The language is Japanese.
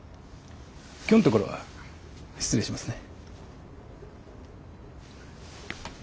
今日のところは失礼しますね。